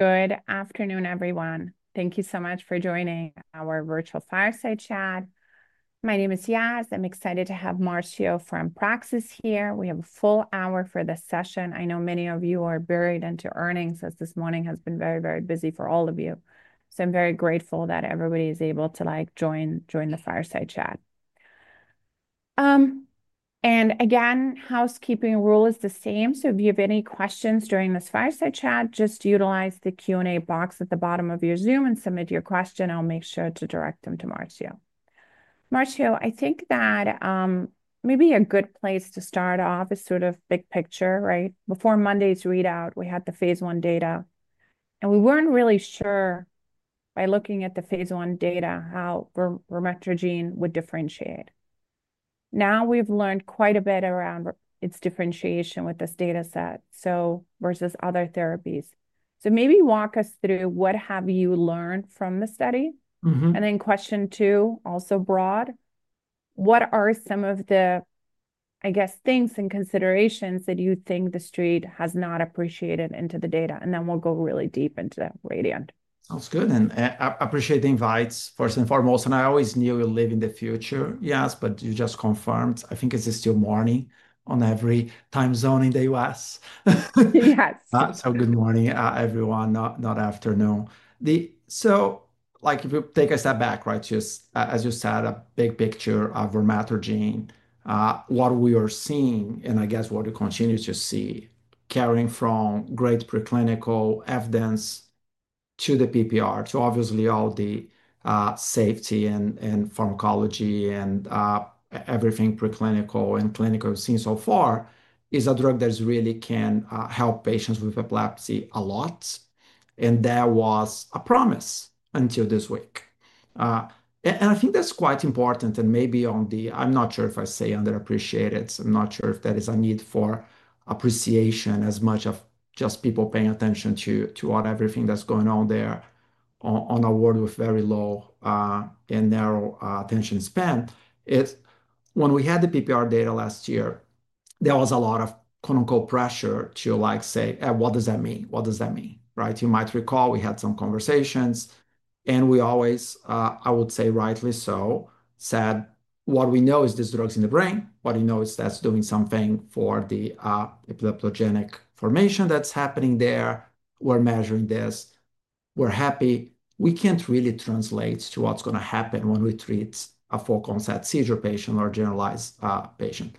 Good afternoon, everyone. Thank you so much for joining our virtual fireside chat. My name is Yaz. I'm excited to have Marcio from Praxis Precision Medicines here. We have a full hour for this session. I know many of you are buried into earnings, as this morning has been very, very busy for all of you. I'm very grateful that everybody is able to join the fireside chat. Again, housekeeping rule is the same. If you have any questions during this fireside chat, just utilize the Q&A box at the bottom of your Zoom and submit your question. I'll make sure to direct them to Marcio. Marcio, I think that maybe a good place to start off is sort of big picture, right? Before Monday's readout, we had the phase one data, and we weren't really sure by looking at the phase one data how Vormatrigine would differentiate. Now we've learned quite a bit around its differentiation with this data set, versus other therapies. Maybe walk us through what have you learned from the study? Question two, also broad, what are some of the, I guess, things and considerations that you think the street has not appreciated into the data? We'll go really deep into that RADIANT. Sounds good. I appreciate the invite, first and foremost. I always knew you live in the future, Yaz, but you just confirmed it. I think it's still morning on every time zone in the U.S. Yes. Good morning, everyone, not afternoon. If you take a step back, just as you said, a big picture of Vormatrigine, what we are seeing, and I guess what you continue to see, carrying from great preclinical evidence to the PPR, to obviously all the safety and pharmacology and everything preclinical and clinical we've seen so far, is a drug that really can help patients with epilepsy a lot. That was a promise until this week. I think that's quite important. Maybe on the, I'm not sure if I say underappreciated. I'm not sure if there is a need for appreciation as much as just people paying attention to everything that's going on there in a world with very low and narrow attention span. When we had the PPR data last year, there was a lot of "pressure" to say, what does that mean? What does that mean? You might recall we had some conversations, and we always, I would say rightly so, said what we know is this drug is in the brain. What we know is that's doing something for the epileptogenic formation that's happening there. We're measuring this. We're happy. We can't really translate to what's going to happen when we treat a focal seizure patient or a generalized patient.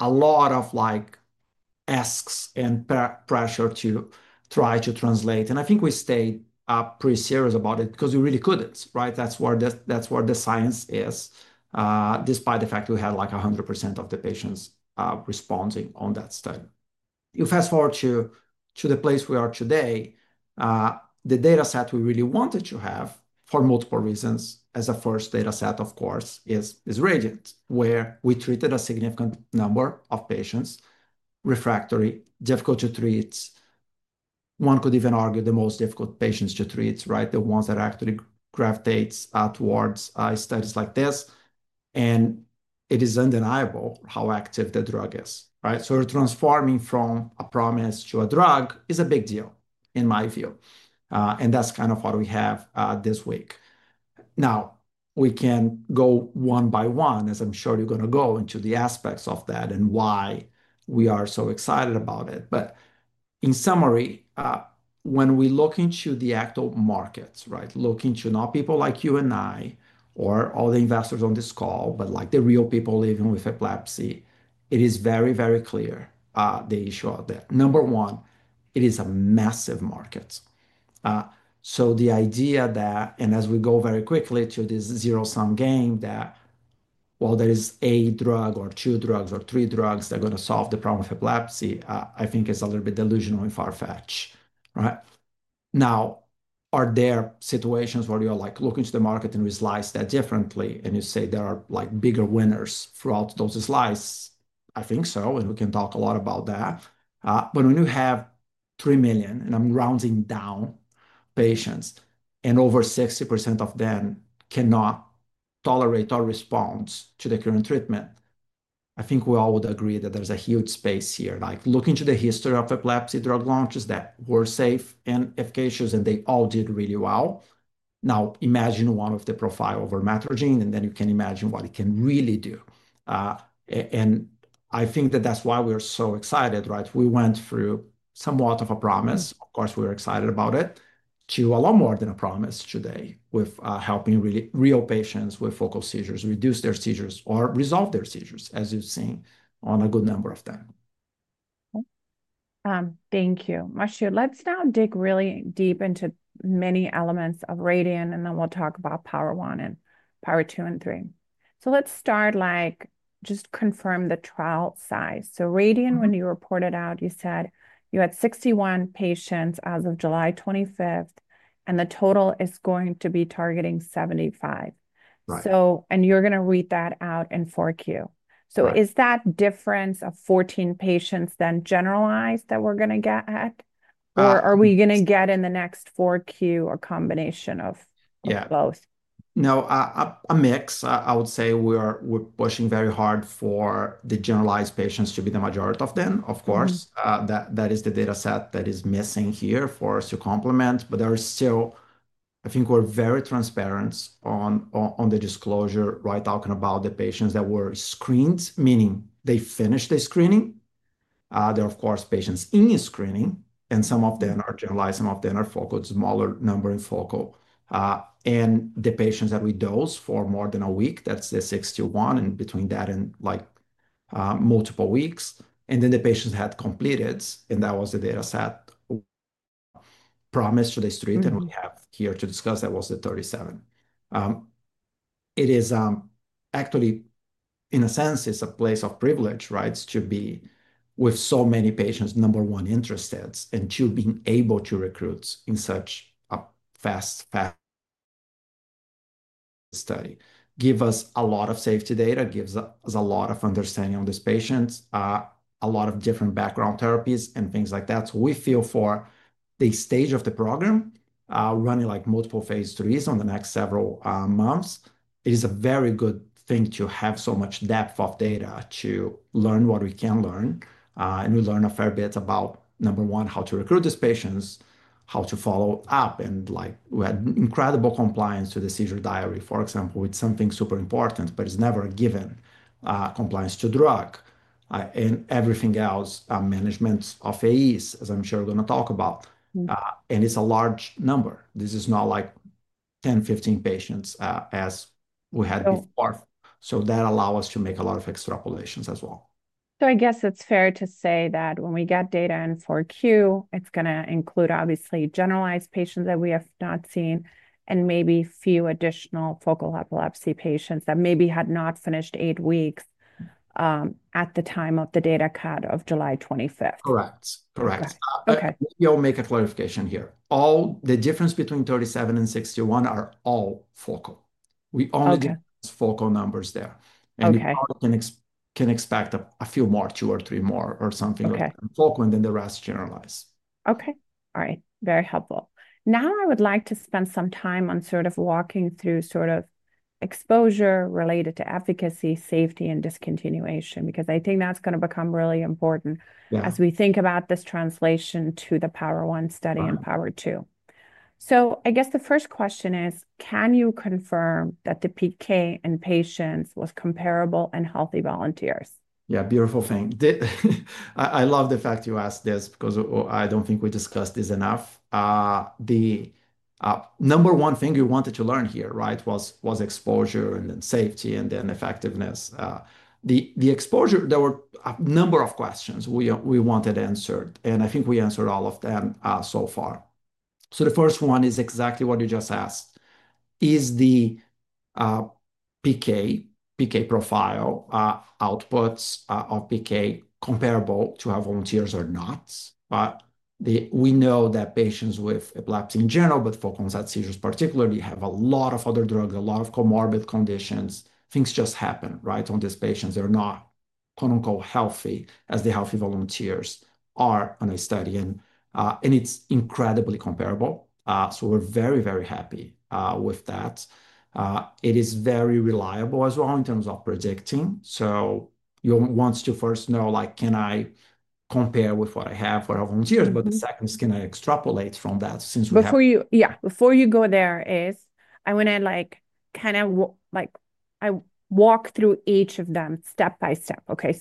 A lot of asks and pressure to try to translate. I think we stayed pretty serious about it because you really couldn't, right? That's where the science is, despite the fact we had 100% of the patients responding on that study. You fast forward to the place we are today, the data set we really wanted to have for multiple reasons. As a first data set, of course, is RADIANT, where we treated a significant number of patients, refractory, difficult to treat. One could even argue the most difficult patients to treat, the ones that actually gravitate towards studies like this. It is undeniable how active the drug is. Transforming from a promise to a drug is a big deal in my view. That's what we have this week. Now we can go one by one, as I'm sure you're going to go, into the aspects of that and why we are so excited about it. In summary, when we look into the actual markets, looking to not people like you and I or all the investors on this call, but the real people living with epilepsy, it is very, very clear the issue out there. Number one, it is a massive market. The idea that, as we go very quickly to this zero-sum game that there is a drug or two drugs or three drugs that are going to solve the problem of epilepsy, I think is a little bit delusional and far-fetched, right? Are there situations where you're looking to the market and we slice that differently and you say there are bigger winners throughout those slices? I think so, and we can talk a lot about that. When you have 3 million, and I'm rounding down, patients, and over 60% of them cannot tolerate or respond to the current treatment, I think we all would agree that there's a huge space here. Looking to the history of epilepsy drug launches that were safe and efficacious, they all did really well. Now imagine one of the profiles of Vormatrigine and then you can imagine what it can really do. I think that's why we are so excited, right? We went through somewhat of a promise. Of course, we were excited about it to a lot more than a promise today with helping real patients with focal seizures reduce their seizures or resolve their seizures, as you've seen on a good number of them. Thank you, Marcio. Let's now dig really deep into many elements of RADIANT, and then we'll talk about POWER1 and POWER2 and Three. Let's start, just confirm the trial size. RADIANT, when you reported out, you said you had 61 patients as of July 25th, and the total is going to be targeting 75. Right. You're going to read that out in 4Q. Right. Is that difference of 14 patients then generalized that we're going to get at, or are we going to get in the next 4Q a combination of both? No, a mix. I would say we're pushing very hard for the generalized patients to be the majority of them, of course. That is the data set that is missing here for us to complement. There are still, I think we're very transparent on the disclosure, right? Talking about the patients that were screened, meaning they finished the screening. There are, of course, patients in screening, and some of them are generalized, some of them are focal, smaller number in focal. The patients that we dosed for more than a week, that's the 61, and between that and like multiple weeks. The patients that had completed, and that was the data set promised to the street, and we have here to discuss, that was the 37. It is actually, in a sense, it's a place of privilege, right? To be with so many patients, number one, interested, and two, being able to recruit in such a fast study. It gives us a lot of safety data, gives us a lot of understanding on this patient, a lot of different background therapies, and things like that. We feel for the stage of the program, running like multiple phase threes on the next several months, it is a very good thing to have so much depth of data to learn what we can learn. We learn a fair bit about, number one, how to recruit these patients, how to follow up, and like we had incredible compliance to the seizure diary, for example, with something super important, but it's never a given compliance to drug. Everything else, management of AEs, as I'm sure we're going to talk about. It's a large number. This is not like 10, 15 patients as we had before. That allows us to make a lot of extrapolations as well. I guess it's fair to say that when we get data in 4Q, it's going to include obviously generalized patients that we have not seen, and maybe a few additional focal epilepsy patients that maybe had not finished eight weeks at the time of the data cut of July 25th. Correct, correct. Okay. Let me make a clarification here. All the difference between 37 and 61 are all focal. We only did focal numbers there. We can expect a few more, two or three more or something like that, focal, and then the rest generalized. Okay. All right. Very helpful. Now I would like to spend some time on walking through exposure related to efficacy, safety, and discontinuation, because I think that's going to become really important as we think about this translation to the POWER1 study and POWER2. I guess the first question is, can you confirm that the PK in patients was comparable in healthy volunteers? Yeah, beautiful thing. I love the fact you asked this because I don't think we discussed this enough. The number one thing we wanted to learn here, right, was exposure and then safety and then effectiveness. The exposure, there were a number of questions we wanted answered, and I think we answered all of them so far. The first one is exactly what you just asked. Is the PK profile outputs or PK comparable to our volunteers or not? We know that patients with epilepsy in general, but for concert seizures particularly, have a lot of other drugs, a lot of comorbid conditions. Things just happen, right, on these patients. They're not, quote unquote, healthy as the healthy volunteers are on a study. It's incredibly comparable. We're very, very happy with that. It is very reliable as well in terms of predicting. You want to first know, like, can I compare with what I have for our volunteers? The second is, can I extrapolate from that? Before you go there, I want to walk through each of them step by step, okay?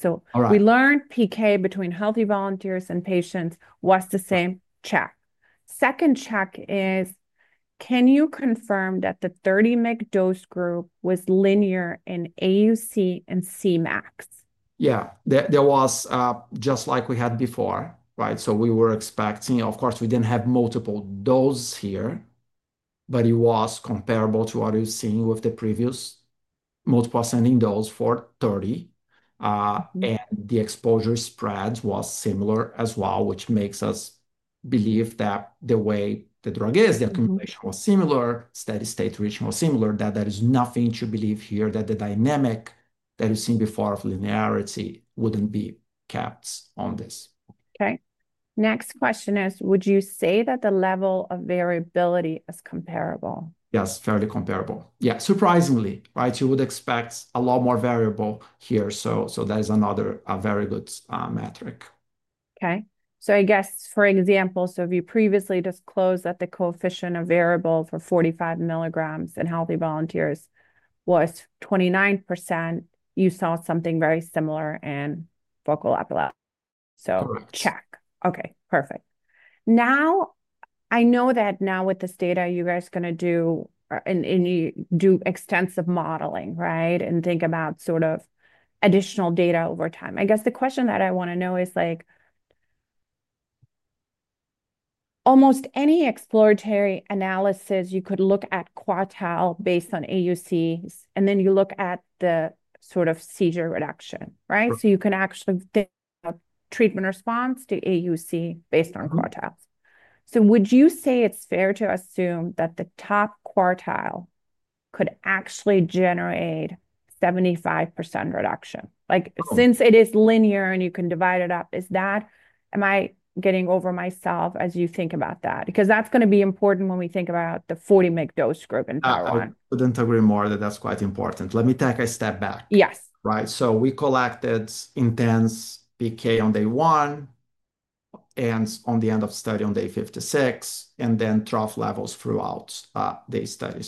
We learned PK between healthy volunteers and patients was the same, check. Second check is, can you confirm that the 30 mg dose group was linear in AUC and Cmax? Yeah, there was just like we had before, right? We were expecting, of course, we didn't have multiple doses here, but it was comparable to what we've seen with the previous multiple ascending dose for 30. The exposure spread was similar as well, which makes us believe that the way the drug is, the accumulation was similar, steady state duration was similar, that there is nothing to believe here that the dynamic that you've seen before of linearity wouldn't be kept on this. Okay. Next question is, would you say that the level of variability is comparable? Yes, fairly comparable. Yeah, surprisingly, right? You would expect a lot more variable here. That is another very good metric. Okay. For example, if you previously disclosed that the coefficient of variable for 45 milligrams in healthy volunteers was 29%, you saw something very similar in focal epilepsy. Correct. Okay, perfect. Now I know that now with this data, you guys are going to do and you do extensive modeling, right? And think about sort of additional data over time. I guess the question that I want to know is like almost any exploratory analysis, you could look at quartile based on AUC, and then you look at the sort of seizure reduction, right? You can actually think of treatment response to AUC based on quartiles. Would you say it's fair to assume that the top quartile could actually generate 75% reduction? Like since it is linear and you can divide it up, is that, am I getting over myself as you think about that? Because that's going to be important when we think about the 40 mg dose group in POWER1. I couldn't agree more that that's quite important. Let me take a step back. Yes. Right. We collected intense PK on day one and at the end of study on day 56, and then trough levels throughout the study.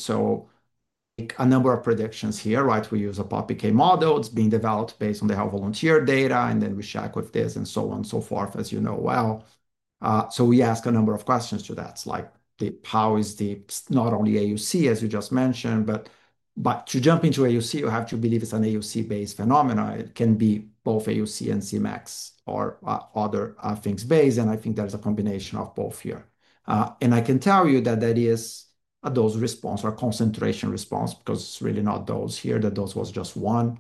A number of predictions here, right? We use a POPPK model that's being developed based on the healthy volunteer data, and then we check with this and so on and so forth, as you know well. We ask a number of questions to that. It's like, how is the not only AUC, as you just mentioned, but to jump into AUC, you have to believe it's an AUC-based phenomenon. It can be both AUC and Cmax or other things based, and I think there's a combination of both here. I can tell you that that is a dose response or a concentration response because it's really not dose here, the dose was just one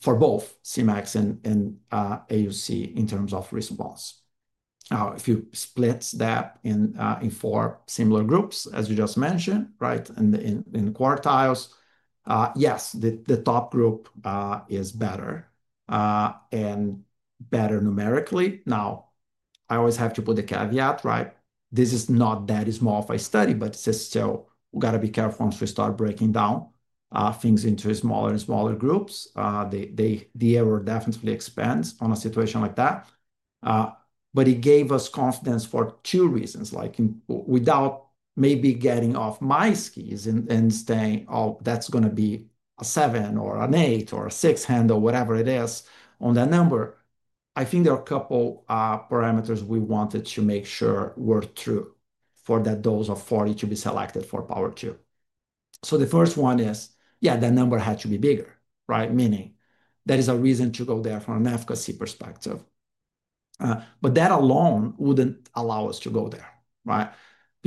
for both Cmax and AUC in terms of response. Now, if you split that in four similar groups, as you just mentioned, right, and in quartiles, yes, the top group is better and better numerically. I always have to put the caveat, right? This is not that small of a study, but we have to be careful once we start breaking down things into smaller and smaller groups. The error definitely expands on a situation like that. It gave us confidence for two reasons. Without maybe getting off my skis and saying, oh, that's going to be a seven or an eight or a six handle, whatever it is on that number. I think there are a couple parameters we wanted to make sure were true for that dose of 40 to be selected for POWER2. The first one is, yeah, that number had to be bigger, right? Meaning that is a reason to go there from an efficacy perspective. That alone wouldn't allow us to go there,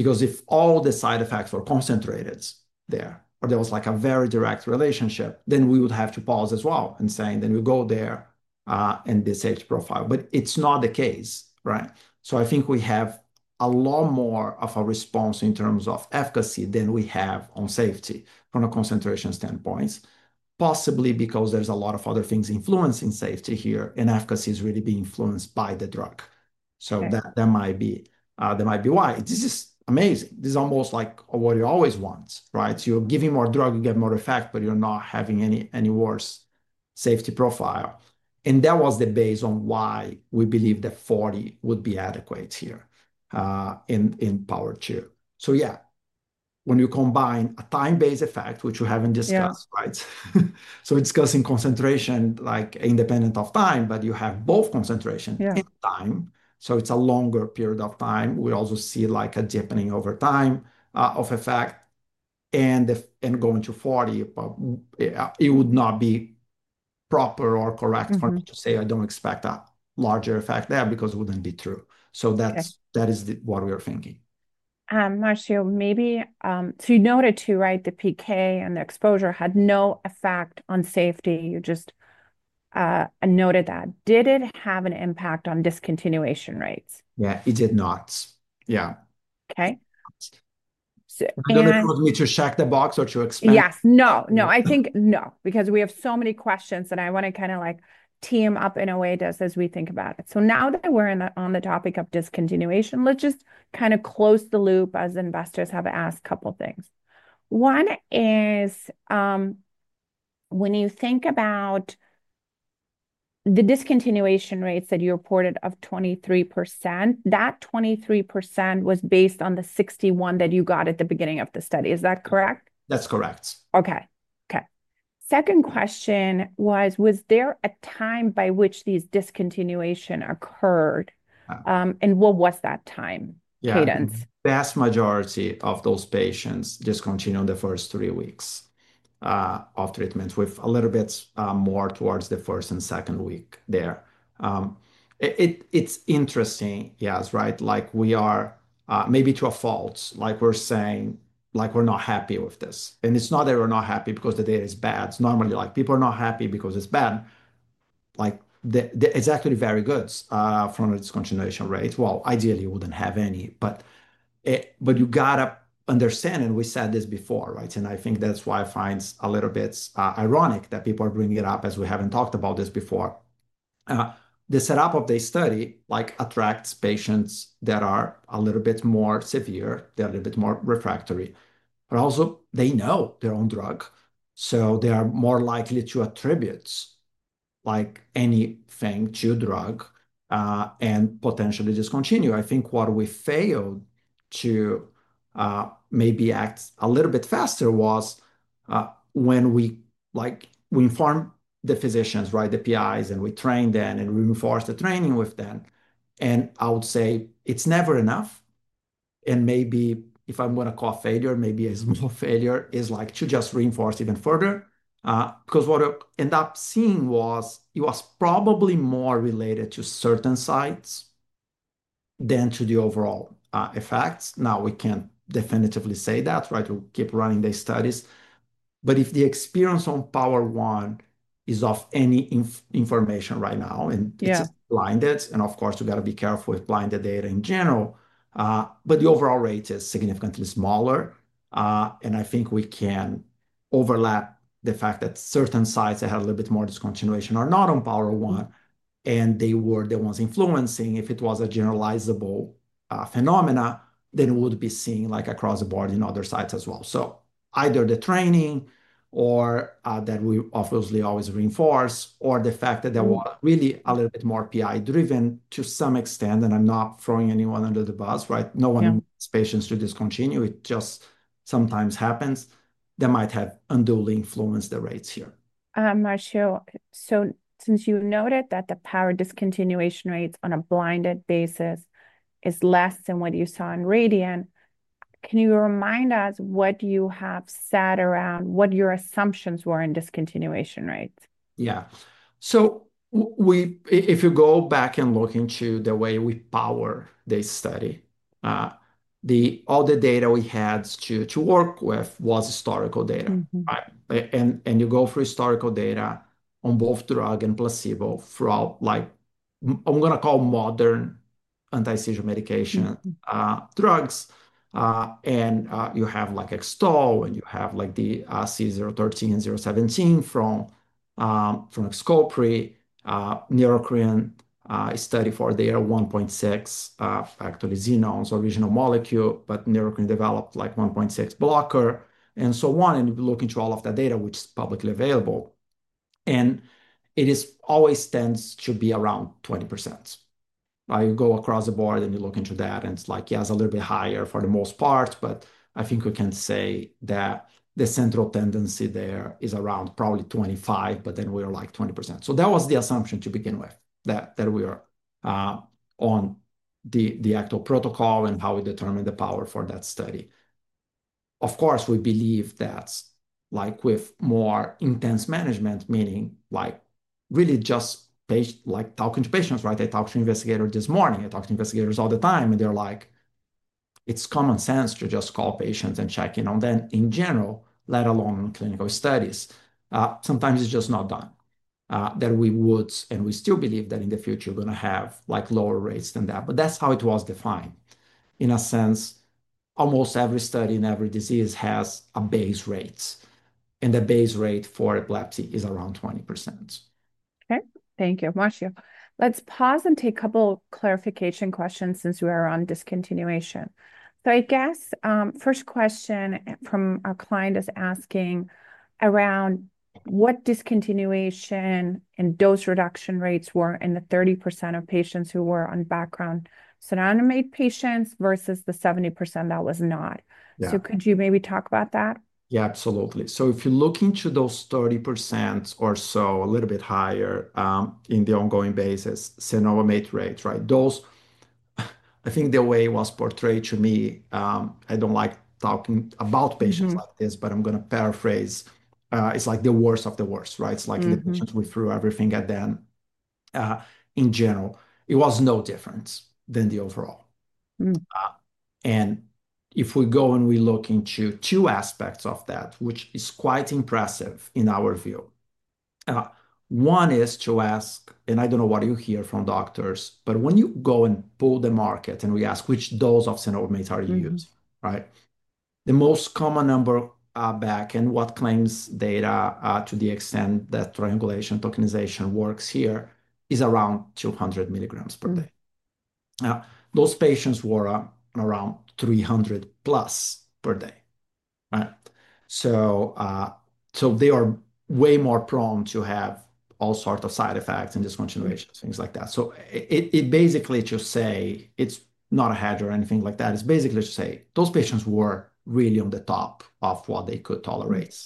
right? If all the side effects were concentrated there, or there was a very direct relationship, then we would have to pause as well and say, then we go there and the safety profile. It's not the case, right? I think we have a lot more of a response in terms of efficacy than we have on safety from a concentration standpoint, possibly because there's a lot of other things influencing safety here, and efficacy is really being influenced by the drug. That might be why. This is amazing. This is almost like what you always want, right? You're giving more drug, you get more effect, but you're not having any worse safety profile. That was the base on why we believe that 40 would be adequate here in POWER2. When you combine a time-based effect, which we haven't discussed, right? We're discussing concentration like independent of time, but you have both concentration and time. It's a longer period of time. We also see like a deepening over time of effect. Going to 40, it would not be proper or correct for me to say I don't expect a larger effect there because it wouldn't be true. That is what we were thinking. Marcio, maybe, you noted too, right, the PK and the exposure had no effect on safety. You just noted that. Did it have an impact on discontinuation rates? Yeah, it did not. Yeah. Okay. You're going to need to check the box or to explain? No, I think no, because we have so many questions that I want to kind of like team up in a way just as we think about it. Now that we're on the topic of discontinuation, let's just kind of close the loop as investors have asked a couple of things. One is when you think about the discontinuation rates that you reported of 23%, that 23% was based on the 61 that you got at the beginning of the study. Is that correct? That's correct. Okay. Second question was, was there a time by which these discontinuations occurred? What was that time cadence? Yeah, the vast majority of those patients discontinued in the first three weeks of treatment, with a little bit more towards the first and second week there. It's interesting, yes, right? Like we are maybe to a fault, like we're saying, like we're not happy with this. It's not that we're not happy because the data is bad. It's normally like people are not happy because it's bad. It's actually very good from a discontinuation rate. Ideally, you wouldn't have any, but you got to understand, and we said this before, right? I think that's why I find it a little bit ironic that people are bringing it up as we haven't talked about this before. The setup of this study attracts patients that are a little bit more severe, they're a little bit more refractory, or also they know their own drug. They are more likely to attribute anything to drug and potentially discontinue. I think what we failed to maybe act a little bit faster was when we informed the physicians, the PIs, and we trained them and reinforced the training with them. I would say it's never enough. Maybe if I'm going to call failure, maybe a small failure is to just reinforce even further. What we ended up seeing was it was probably more related to certain sites than to the overall effects. Now we can definitively say that, right? We'll keep running these studies. If the experience on POWER1 is of any information right now, and it's blinded, and of course you got to be careful with blinded data in general, the overall rate is significantly smaller. I think we can overlap the fact that certain sites that had a little bit more discontinuation are not on POWER1, and they were the ones influencing. If it was a generalizable phenomenon, it would be seen across the board in other sites as well. Either the training that we obviously always reinforce, or the fact that there was really a little bit more PI driven to some extent, and I'm not throwing anyone under the bus, right? No one in this patient should discontinue. It just sometimes happens. That might have unduly influenced the rates here. Marcio, since you noted that the POWER discontinuation rates on a blinded basis is less than what you saw in RADIANT, can you remind us what you have said around what your assumptions were in discontinuation rates? Yeah. If you go back and look into the way we power this study, all the data we had to work with was historical data. You go through historical data on both drug and placebo throughout, like I'm going to call modern anti-seizure medication drugs. You have like X-TOLE and you have like the C013 and C017 from XCOPRI. Neurocrine study for their 1.6, actually Xenon's original molecule, but Neurocrine developed like 1.6 blocker and so on. Looking through all of that data, which is publicly available, it always tends to be around 20%. You go across the board and you look into that and it's like, yes, a little bit higher for the most part, but I think we can say that the central tendency there is around probably 25%, but then we are like 20%. That was the assumption to begin with, that we are on the actual protocol and how we determine the power for that study. Of course, we believe that with more intense management, meaning really just talking to patients, right? I talked to investigators this morning. I talk to investigators all the time, and they're like, it's common sense to just call patients and check in on them in general, let alone on clinical studies. Sometimes it's just not done. We would, and we still believe that in the future we're going to have lower rates than that, but that's how it was defined. In a sense, almost every study in every disease has a base rate, and the base rate for epilepsy is around 20%. Okay. Thank you, Marcio. Let's pause and take a couple of clarification questions since we are on discontinuation. I guess first question from our client is asking around what discontinuation and dose reduction rates were in the 30% of patients who were on background, so now I'm going to make patients versus the 70% that was not. Could you maybe talk about that? Yeah, absolutely. If you look into those 30% or so, a little bit higher on an ongoing basis, now I'll make rates, right? I think the way it was portrayed to me, I don't like talking about patients like this, but I'm going to paraphrase. It's like the worst of the worst, right? It's like the patients we threw everything at them in general. It was no different than the overall. If we go and we look into two aspects of that, which is quite impressive in our view. One is to ask, and I don't know what you hear from doctors, but when you go and poll the market and we ask which dose of Cenobamate are you using, right? The most common number back and what claims data to the extent that triangulation tokenization works here is around 200 milligrams per day. Now, those patients were around 300+ per day, right? They are way more prone to have all sorts of side effects and discontinuations, things like that. It basically just says it's not a hedge or anything like that. It's basically to say those patients were really on the top of what they could tolerate,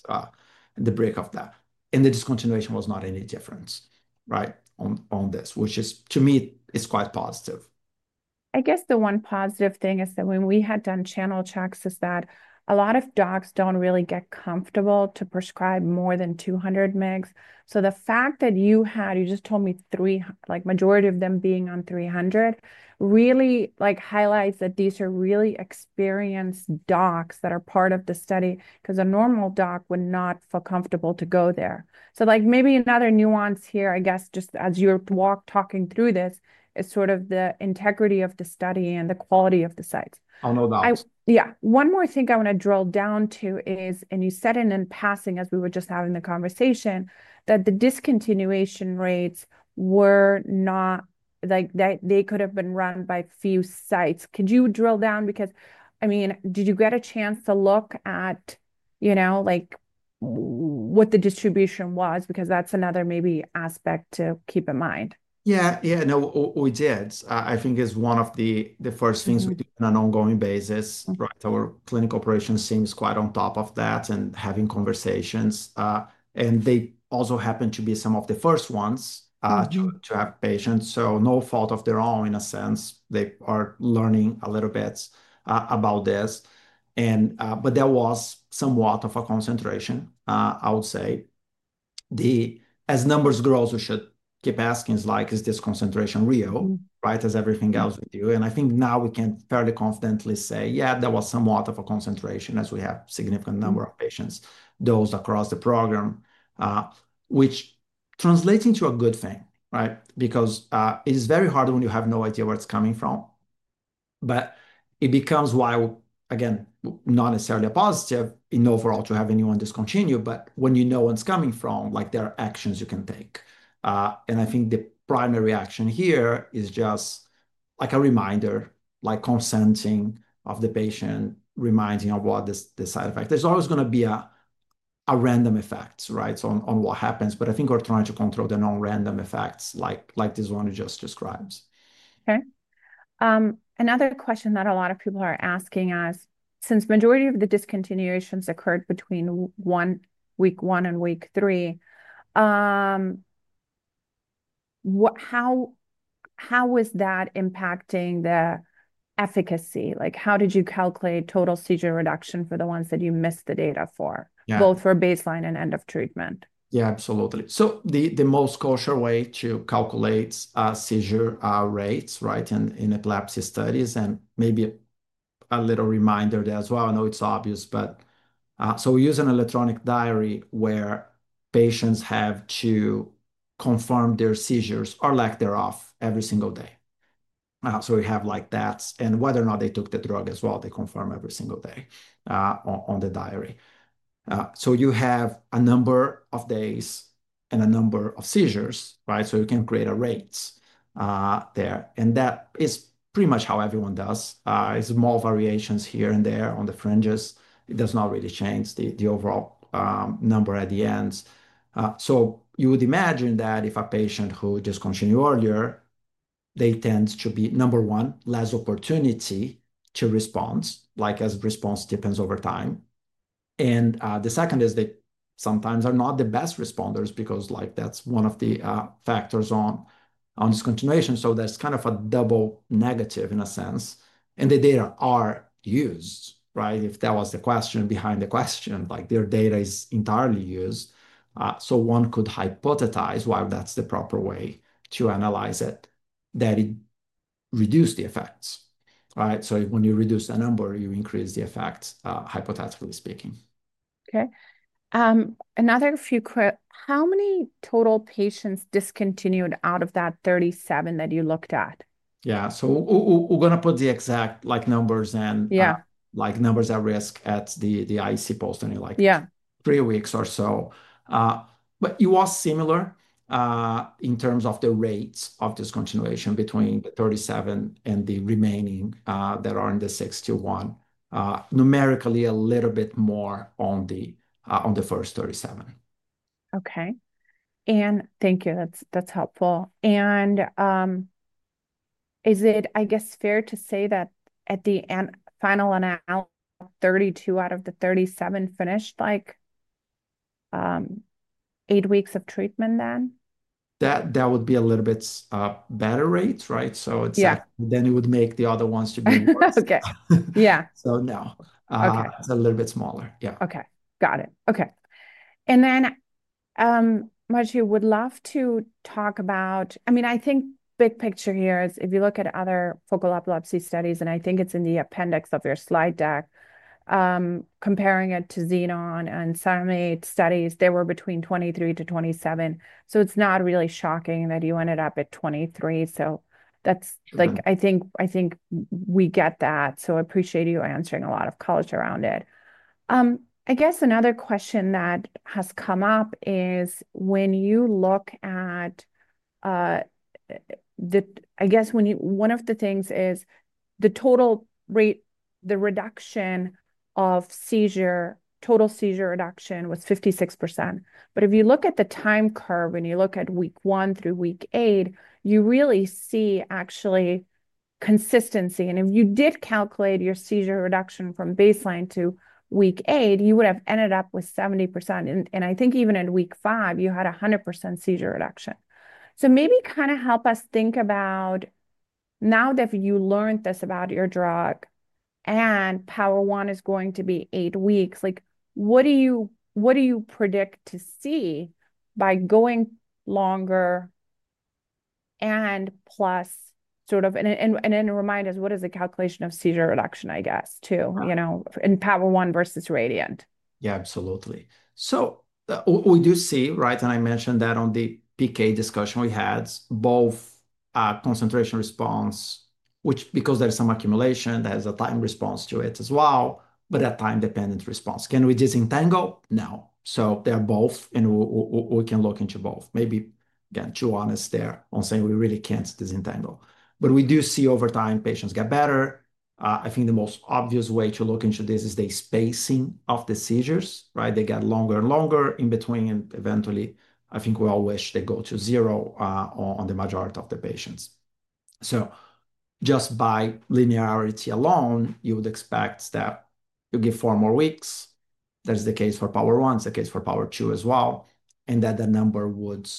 the brink of that. The discontinuation was not any different, right, on this, which to me is quite positive. I guess the one positive thing is that when we had done channel checks, a lot of docs don't really get comfortable to prescribe more than 200 mg. The fact that you just told me three, like majority of them being on 300, really highlights that these are really experienced docs that are part of the study because a normal doc would not feel comfortable to go there. Maybe another nuance here, just as you're talking through this, is sort of the integrity of the study and the quality of the sites. Oh, no doubt. Yeah, one more thing I want to drill down to is, and you said it in passing as we were just having the conversation, that the discontinuation rates were not like that they could have been run by few sites. Could you drill down because, I mean, did you get a chance to look at what the distribution was? That's another maybe aspect to keep in mind. Yeah, yeah, no, we did. I think it's one of the first things we did on an ongoing basis. Our clinic operation seems quite on top of that and having conversations. They also happen to be some of the first ones to have patients, so no fault of their own in a sense. They are learning a little bit about this, and there was somewhat of a concentration, I would say. As numbers grow, we should keep asking, is this concentration real, right? Is everything else with you? I think now we can fairly confidently say, yeah, there was somewhat of a concentration as we have a significant number of patients dosed across the program, which translates into a good thing, right? Because it is very hard when you have no idea where it's coming from. It becomes why, again, not necessarily a positive overall to have anyone discontinue, but when you know where it's coming from, there are actions you can take. I think the primary action here is just a reminder, like consenting of the patient, reminding of what the side effect is. There's always going to be a random effect, right, on what happens. I think we're trying to control the non-random effects like this one you just described. Okay. Another question that a lot of people are asking us, since the majority of the discontinuations occurred between week one and week three, how is that impacting the efficacy? How did you calculate total seizure reduction for the ones that you missed the data for, both for baseline and end of treatment? Yeah, absolutely. The most accurate way to calculate seizure rates in epilepsy studies, and maybe a little reminder there as well. I know it's obvious, but we use an electronic seizure diary where patients have to confirm their seizures or lack thereof every single day. We have that, and whether or not they took the drug as well, they confirm every single day on the diary. You have a number of days and a number of seizures, so you can create a rate there. That is pretty much how everyone does it. There are small variations here and there on the fringes. It does not really change the overall number at the end. You would imagine that if a patient discontinued earlier, they tend to have, number one, less opportunity to respond, as response depends over time. The second is they sometimes are not the best responders because that's one of the factors on discontinuation. That's kind of a double negative in a sense. The data are used, if that was the question behind the question, their data is entirely used. One could hypothesize, while that's the proper way to analyze it, that it reduced the effects. When you reduce the number, you increase the effects, hypothetically speaking. Okay. Another few quick, how many total patients discontinued out of that 37 that you looked at? Yeah, we're going to put the exact numbers and numbers at risk at the IC post in like three weeks or so. It was similar in terms of the rates of discontinuation between the 37 and the remaining that are in the 61, numerically a little bit more on the first 37. Thank you. That's helpful. Is it fair to say that at the final analysis, 32 out of the 37 finished eight weeks of treatment then? That would be a little bit better rate, right? It would make the other ones to be less. Okay. Yeah. No, it's a little bit smaller. Yeah. Okay. Got it. Okay. Marcio, would love to talk about, I mean, I think big picture here is if you look at other focal epilepsy studies, and I think it's in the appendix of your slide deck, comparing it to Xenon and Cenobamate studies, they were between 23 to 27. It's not really shocking that you ended up at 23. I think we get that. I appreciate you answering a lot of college around it. I guess another question that has come up is when you look at, I guess, one of the things is the total rate, the reduction of seizure, total seizure reduction was 56%. If you look at the time curve and you look at week one through week eight, you really see actually consistency. If you did calculate your seizure reduction from baseline to week eight, you would have ended up with 70%. I think even in week five, you had 100% seizure reduction. Maybe kind of help us think about now that you learned this about your drug and POWER1 is going to be eight weeks, what do you predict to see by going longer and plus sort of, and then remind us, what is the calculation of seizure reduction, I guess, too, you know, in POWER1 versus RADIANT? Yeah, absolutely. We do see, right, and I mentioned that on the PK discussion we had, both concentration response, which because there's some accumulation, there's a time response to it as well, a time-dependent response. Can we disentangle? No. They're both, and we can look into both. Maybe, again, too honest there on saying we really can't disentangle. We do see over time patients get better. I think the most obvious way to look into this is the spacing of the seizures, right? They get longer and longer in between, and eventually, I think we all wish they go to zero on the majority of the patients. Just by linearity alone, you would expect that you'll get four more weeks. That's the case for POWER1. It's the case for POWER2 as well. The number would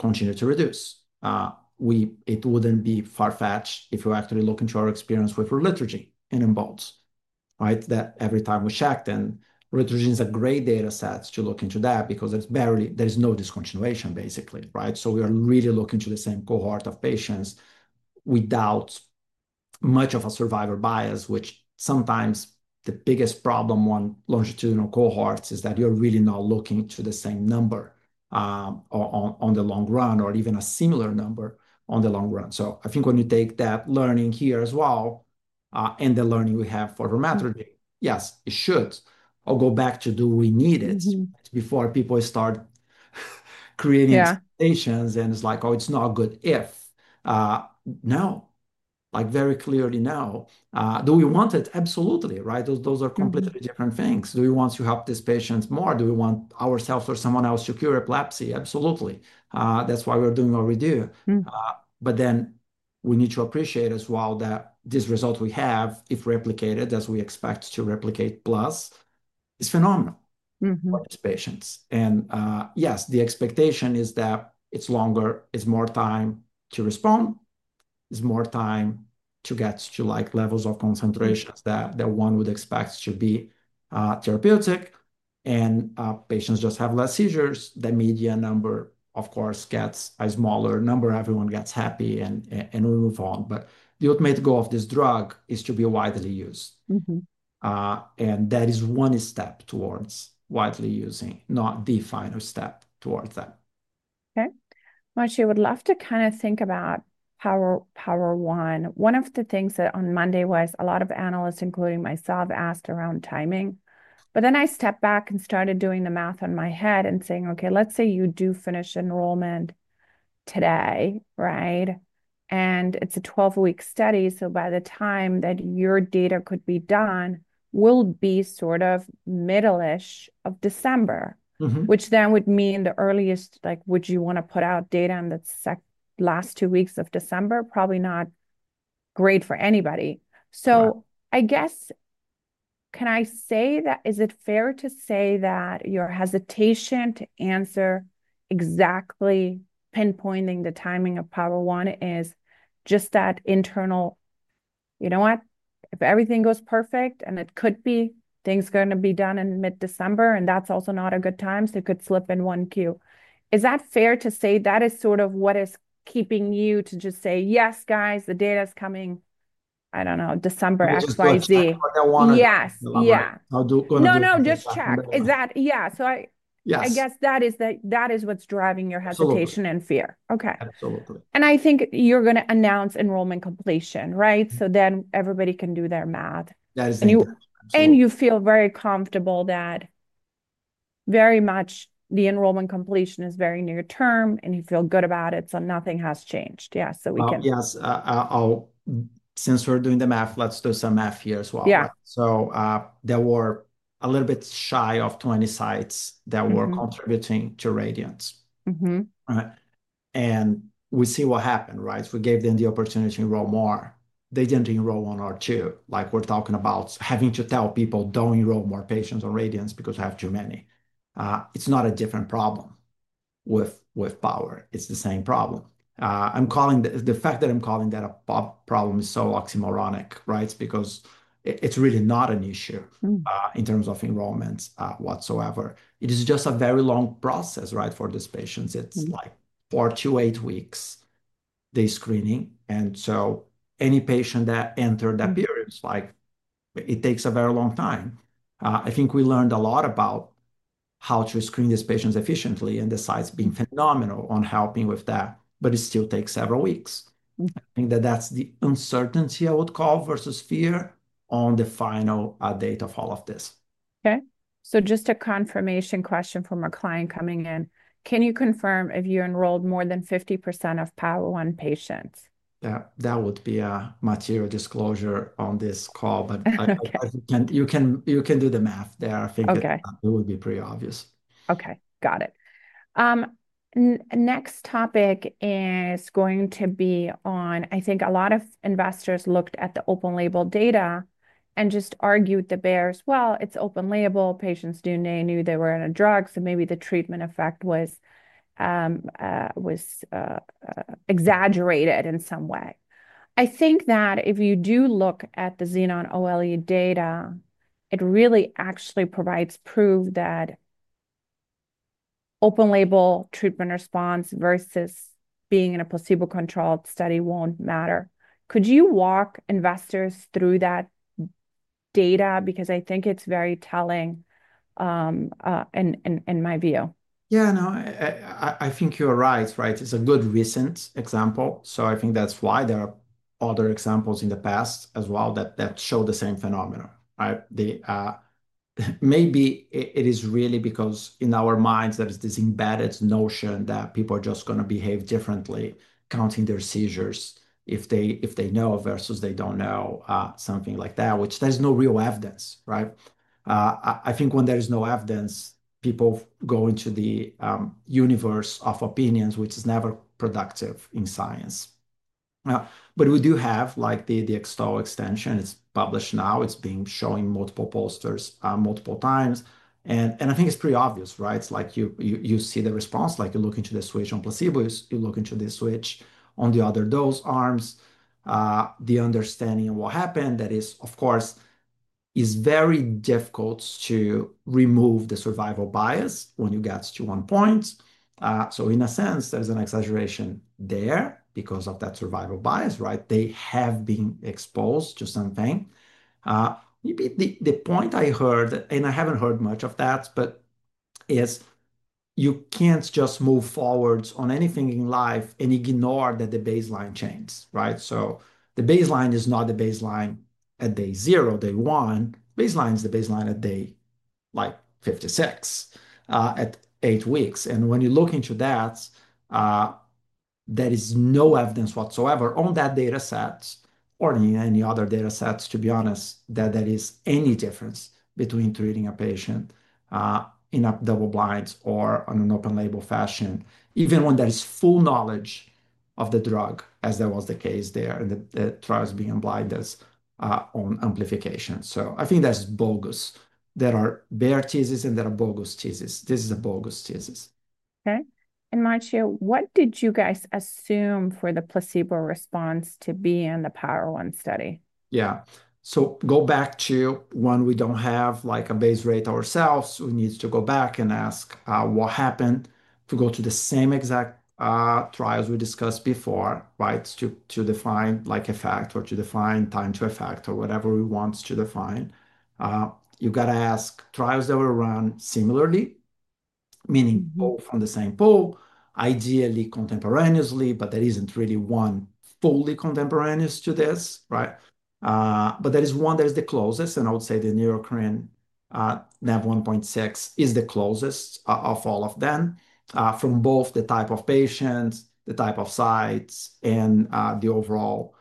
continue to reduce. It wouldn't be far-fetched if you actually look into our experience with RADIANT and EMBOLD, right? Every time we checked, and Ritalin is a great data set to look into that because there's barely, there is no discontinuation basically, right? We are really looking to the same cohort of patients without much of a survivor bias, which sometimes the biggest problem on longitudinal cohorts is that you're really not looking to the same number on the long run or even a similar number on the long run. I think when you take that learning here as well, and the learning we have for Vormatrigine, yes, it should. I'll go back to do we need it before people start creating patients, and it's like, oh, it's not good if. No, like very clearly no. Do we want it? Absolutely, right? Those are completely different things. Do we want to help these patients more? Do we want ourselves or someone else to cure epilepsy? Absolutely. That's why we're doing what we do. We need to appreciate as well that this result we have, if replicated as we expect to replicate plus, is phenomenal to patients. Yes, the expectation is that it's longer, it's more time to respond, it's more time to get to like levels of concentrations that one would expect to be therapeutic, and patients just have less seizures. The median number, of course, gets a smaller number. Everyone gets happy and we move on. The ultimate goal of this drug is to be widely used. That is one step towards widely using, not the final step towards that. Okay. Marcio, I would love to kind of think about POWER1. One of the things that on Monday was a lot of analysts, including myself, asked around timing. I stepped back and started doing the math in my head and saying, okay, let's say you do finish enrollment today, right? It's a 12-week study. By the time that your data could be done, we'll be sort of middle-ish of December, which then would mean the earliest, like would you want to put out data in the last two weeks of December? Probably not great for anybody. I guess, can I say that, is it fair to say that your hesitation to answer exactly pinpointing the timing of POWER1 is just that internal, you know what? If everything goes perfect and it could be things are going to be done in mid-December, and that's also not a good time, so it could slip in Q1. Is that fair to say that is sort of what is keeping you to just say, yes, guys, the data's coming, I don't know, December X, Y, Z? Yes, yeah. Is that what's driving your hesitation and fear? Okay. Absolutely. I think you're going to announce enrollment completion, right? Everybody can do their math. That is correct. You feel very comfortable that very much the enrollment completion is very near term and you feel good about it. Nothing has changed. Yeah, we can. Yes, since we're doing the math, let's do some math here as well. Yeah, so there were a little bit shy of 20 sites that were contributing to RADIANT. We see what happened, right? We gave them the opportunity to enroll more. They didn't enroll one or two. We're talking about having to tell people don't enroll more patients on RADIANT because I have too many. It's not a different problem with POWER. It's the same problem. The fact that I'm calling that a problem is so oxymoronic, right? Because it's really not an issue in terms of enrollments whatsoever. It is just a very long process for these patients. It's like four to eight weeks, the screening. Any patient that entered that period, it takes a very long time. I think we learned a lot about how to screen these patients efficiently and the sites being phenomenal on helping with that, but it still takes several weeks. I think that's the uncertainty I would call versus fear on the final date of all of this. Okay. Just a confirmation question from a client coming in. Can you confirm if you enrolled more than 50% of POWER1 patients? That would be a material disclosure on this call, but I hope you can do the math there. I think it would be pretty obvious. Okay. Got it. Next topic is going to be on, I think a lot of investors looked at the open label data and just argued the bear as well. It's open label. Patients knew they were in a drug, so maybe the treatment effect was exaggerated in some way. I think that if you do look at the Xenon OLE data, it really actually provides proof that open label treatment response versus being in a placebo-controlled study won't matter. Could you walk investors through that data? Because I think it's very telling in my view. Yeah, I think you're right, right? It's a good recent example. I think that's why there are other examples in the past as well that show the same phenomenon, right? Maybe it is really because in our minds there's this embedded notion that people are just going to behave differently counting their seizures if they know versus they don't know, something like that, which there's no real evidence, right? I think when there is no evidence, people go into the universe of opinions, which is never productive in science. We do have like the X-TOLE extension. It's published now. It's been shown in multiple posters multiple times. I think it's pretty obvious, right? It's like you see the response, like you look into the switch on placebos. You look into the switch on the other dose arms. The understanding of what happened, that is, of course, is very difficult to remove the survival bias when you get to one point. In a sense, there's an exaggeration there because of that survival bias, right? They have been exposed to something. The point I heard, and I haven't heard much of that, is you can't just move forward on anything in life and ignore that the baseline changes, right? The baseline is not the baseline at day zero, day one. Baseline is the baseline at day 56, at eight weeks. When you look into that, there is no evidence whatsoever on that data set or in any other data sets, to be honest, that there is any difference between treating a patient in double blinds or on an open label fashion, even when there is full knowledge of the drug, as that was the case there in the trials being blinded on amplification. I think that's bogus. There are bare theses and there are bogus theses. This is a bogus thesis. Okay. Marcio, what did you guys assume for the placebo response to be in the POWER1 study? Yeah. Go back to when we don't have like a base rate ourselves. We need to go back and ask what happened to go to the same exact trials we discussed before, right? To define like effect or to define time to effect or whatever we want to define, you've got to ask. Trials that were run similarly, meaning both on the same pole, ideally contemporaneously, but there isn't really one fully contemporaneous to this, right? There is one that is the closest, and I would say the Neurocrine NaV1.6 is the closest of all of them from both the type of patients, the type of sites, and the overall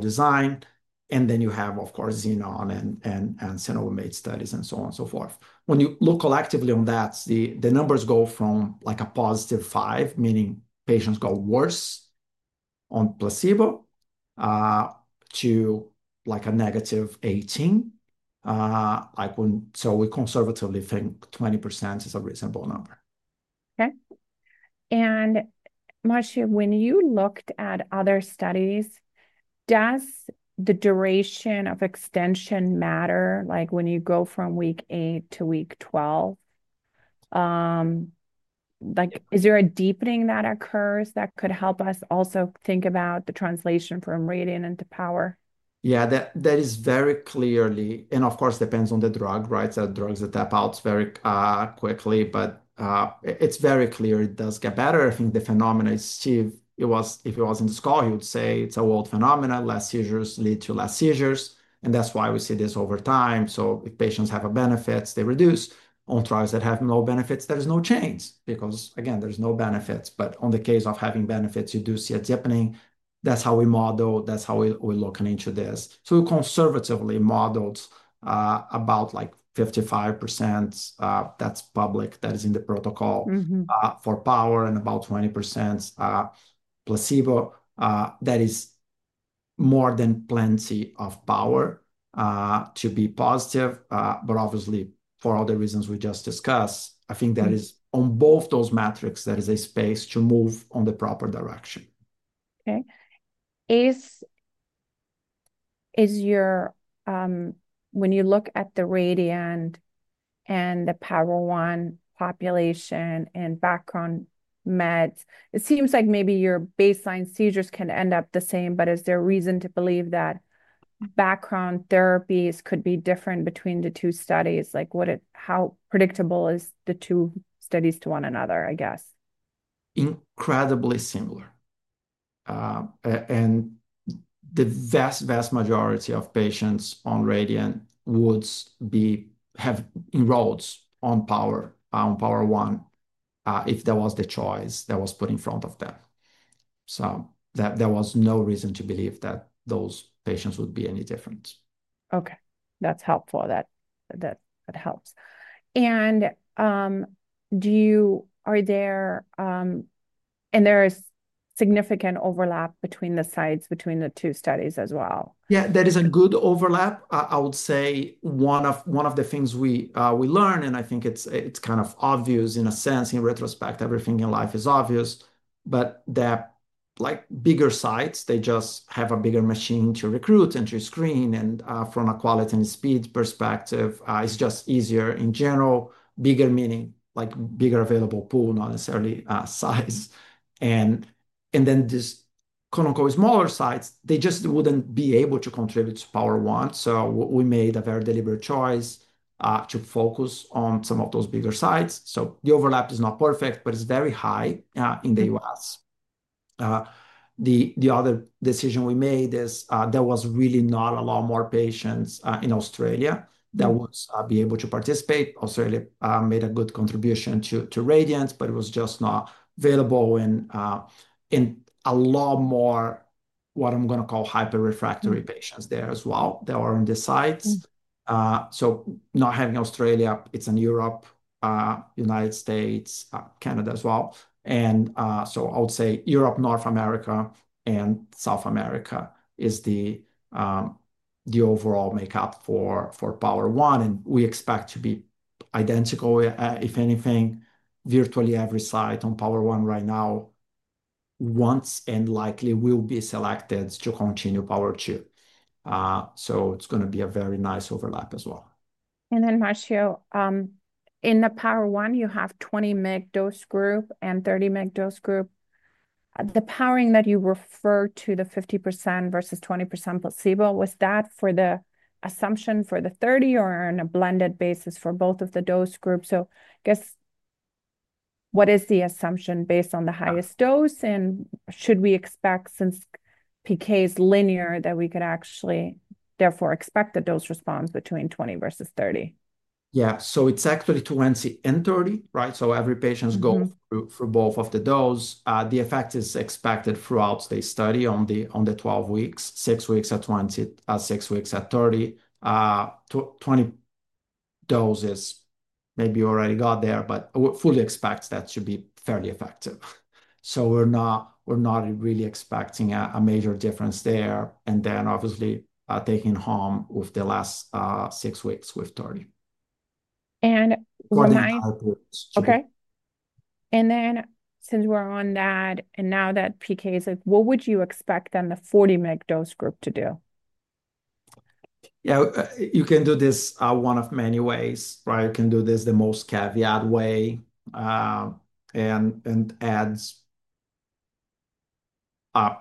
design. You have, of course, Xenon and Cenobamate studies and so on and so forth. When you look collectively on that, the numbers go from like a positive 5, meaning patients go worse on placebo, to like a negative 18. We conservatively think 20% is a reasonable number. Okay. Marcio, when you looked at other studies, does the duration of extension matter? Like when you go from week eight to week 12, is there a deepening that occurs that could help us also think about the translation from RADIANT into POWER? Yeah, that is very clearly, and of course it depends on the drug, right? There are drugs that tap out very quickly, but it's very clear it does get better. I think the phenomenon is, Steve, if he was in this call, he would say it's a world phenomenon. Less seizures lead to less seizures, and that's why we see this over time. If patients have benefits, they reduce. On trials that have no benefits, there is no change because, again, there's no benefits. In the case of having benefits, you do see a deepening. That's how we model. That's how we look into this. We conservatively modeled about 55% that's public, that is in the protocol for POWER, and about 20% placebo. That is more than plenty of POWER to be positive. For all the reasons we just discussed, I think that is on both those metrics, there is a space to move on the proper direction. Okay. When you look at the RADIANT and the POWER1 population and background meds, it seems like maybe your baseline seizures can end up the same, but is there a reason to believe that background therapies could be different between the two studies? Like how predictable is the two studies to one another, I guess? Incredibly similar. The vast, vast majority of patients on RADIANT would be enrolled on POWER1 if that was the choice that was put in front of them. There was no reason to believe that those patients would be any different. Okay. That's helpful. That helps. Are there, and there is significant overlap between the sites between the two studies as well? Yeah, there is a good overlap. I would say one of the things we learn, and I think it's kind of obvious in a sense, in retrospect, everything in life is obvious. That like bigger sites, they just have a bigger machine to recruit and to screen. From a quality and speed perspective, it's just easier in general, bigger meaning like bigger available pool, not necessarily size. These quote unquote smaller sites, they just wouldn't be able to contribute to POWER1. We made a very deliberate choice to focus on some of those bigger sites. The overlap is not perfect, but it's very high in the U.S. The other decision we made is there was really not a lot more patients in Australia that would be able to participate. Australia made a good contribution to RADIANT, but it was just not available in a lot more what I'm going to call hyper-refractory patients there as well that are on the sites. Not having Australia, it's in Europe, United States, Canada as well. I would say Europe, North America, and South America is the overall makeup for POWER1. We expect to be identical. If anything, virtually every site on POWER1 right now wants and likely will be selected to continue POWER2. It's going to be a very nice overlap as well. Marcio, in the POWER1, you have 20 mg dose group and 30 mg dose group. The powering that you refer to, the 50% versus 20% placebo, was that for the assumption for the 30 or on a blended basis for both of the dose groups? What is the assumption based on the highest dose? Should we expect, since PK is linear, that we could actually therefore expect the dose response between 20 versus 30? Yeah, so it's actually 20 and 30, right? Every patient's going through both of the doses. The effect is expected throughout the study on the 12 weeks, six weeks at 20, six weeks at 30. 20 doses maybe already got there, but we fully expect that to be fairly effective. We're not really expecting a major difference there. Obviously taking home with the last six weeks with 30. We're going to. Okay. Since we're on that, and now that PK is like, what would you expect then the 40 mg dose group to do? You can do this one of many ways, right? You can do this the most caveat way and add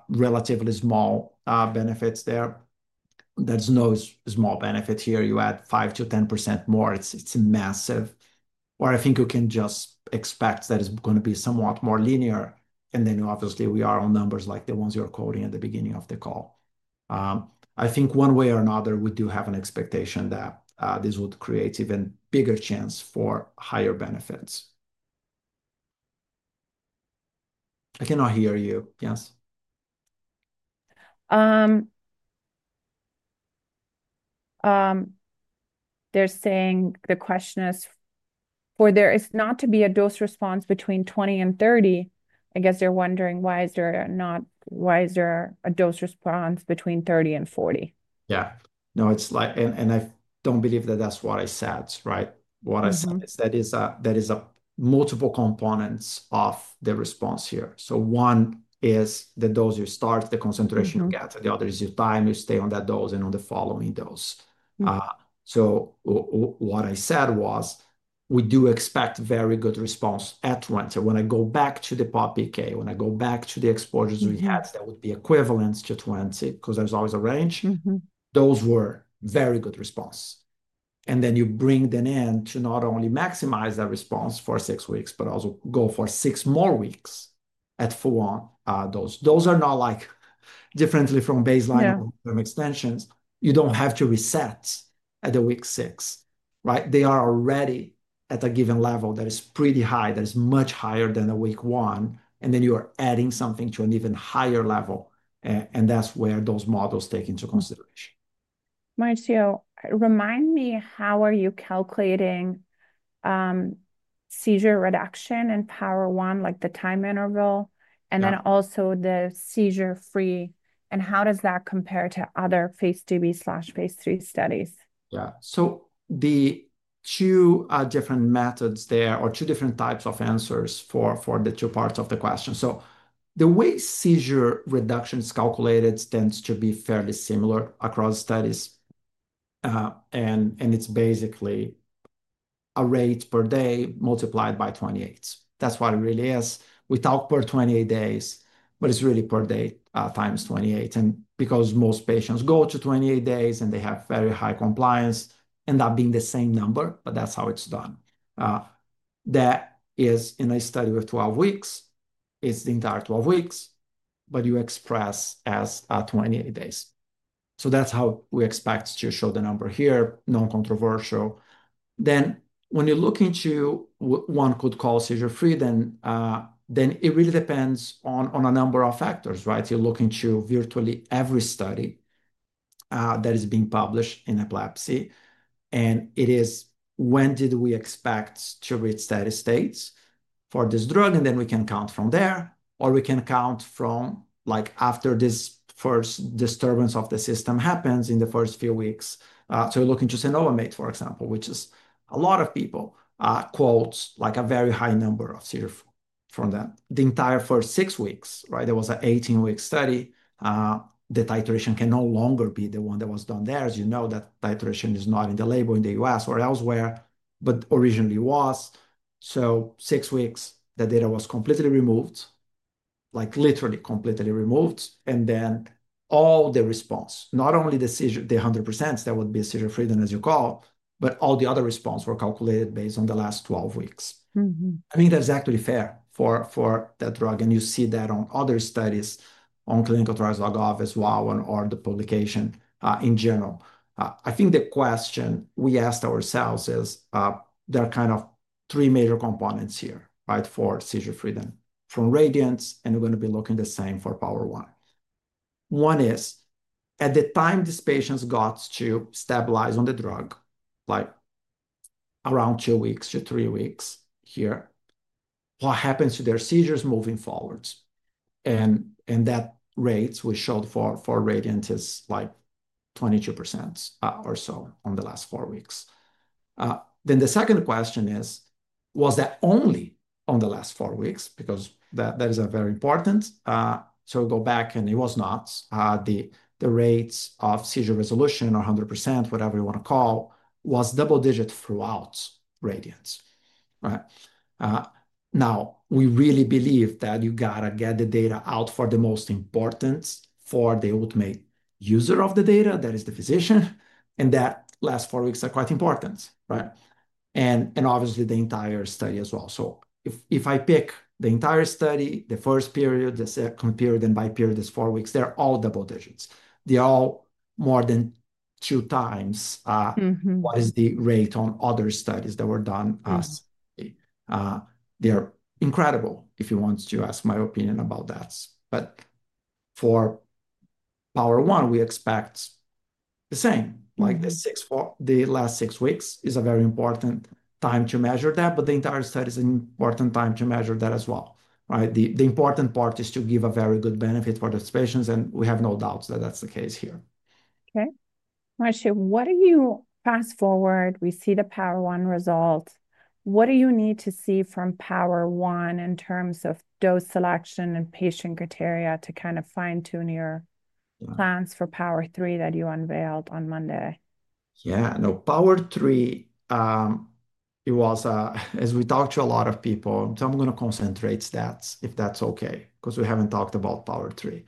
relatively small benefits there. There's no small benefit here. You add 5% to 10% more. It's massive. I think you can just expect that it's going to be somewhat more linear. Obviously, we are on numbers like the ones you're quoting at the beginning of the call. I think one way or another, we do have an expectation that this would create even bigger chance for higher benefits. I cannot hear you. Yes. They're saying the question is for there is not to be a dose response between 20 and 30. I guess they're wondering why is there not, why is there a dose response between 30 and 40? Yeah, no, it's like, and I don't believe that that's what I said, right? What I said is that is a multiple components of the response here. One is the dose you start, the concentration you get, and the other is your time you stay on that dose and on the following dose. What I said was we do expect very good response at 20. When I go back to the PK, when I go back to the exposures we had, that would be equivalent to 20 because there's always a range. Those were very good responses. You bring them in to not only maximize that response for six weeks, but also go for six more weeks at full on. Those are not like differently from baseline extensions. You don't have to reset at the week six, right? They are already at a given level that is pretty high, that is much higher than a week one. You are adding something to an even higher level. That's where those models take into consideration. Marcio, remind me how are you calculating seizure reduction in POWER1, like the time interval, and then also the seizure-free, and how does that compare to other phase IIb/phase III studies? Yeah, so the two different methods, there are two different types of answers for the two parts of the question. The way seizure reduction is calculated tends to be fairly similar across studies. It's basically a rate per day multiplied by 28. That's what it really is. We talk per 28 days, but it's really per day times 28. Because most patients go to 28 days and they have very high compliance, it ends up being the same number, but that's how it's done. That is in a study with 12 weeks. It's the entire 12 weeks, but you express as 28 days. That's how we expect to show the number here, non-controversial. When you look into what one could call seizure-free, it really depends on a number of factors, right? You look into virtually every study that is being published in epilepsy. It is when did we expect to reach steady states for this drug, and then we can count from there, or we can count from after this first disturbance of the system happens in the first few weeks. You look into Cenobamate, for example, which a lot of people quote as a very high number of seizure-free from them. The entire first six weeks, right? There was an 18-week study. The titration can no longer be the one that was done there. As you know, that titration is not in the label in the U.S. or elsewhere, but originally was. Six weeks, the data was completely removed, like literally completely removed. All the response, not only the 100% that would be seizure-free, as you call, but all the other response were calculated based on the last 12 weeks. I think that's actually fair for that drug. You see that on other studies on clinical trials of AVV as well or the publication in general. I think the question we asked ourselves is there are kind of three major components here, right, for seizure-freedom from RADIANT, and we're going to be looking the same for POWER1. One is at the time these patients got to stabilize on the drug, like around two weeks to three weeks here, what happens to their seizures moving forward? That rate we showed for RADIANT is like 22% or so on the last four weeks. The second question is, was that only on the last four weeks? That is very important. We go back and it was not. The rates of seizure resolution or 100%, whatever you want to call, was double digit throughout RADIANT. Now we really believe that you got to get the data out for the most important for the ultimate user of the data, that is the physician, and that last four weeks are quite important, right? Obviously the entire study as well. If I pick the entire study, the first period, the second period, and by period is four weeks, they're all double digits. They're all more than two times what is the rate on other studies that were done as. They're incredible if you want to ask my opinion about that. For POWER1, we expect the same. The last six weeks is a very important time to measure that, but the entire study is an important time to measure that as well, right? The important part is to give a very good benefit for those patients, and we have no doubts that that's the case here. Okay. Marcio, what do you fast forward? We see the POWER1 result. What do you need to see from POWER1 in terms of dose selection and patient criteria to kind of fine-tune your plans for POWER3 that you unveiled on Monday? Yeah, no, POWER3, it was, as we talked to a lot of people, so I'm going to concentrate that if that's okay, because we haven't talked about POWER3.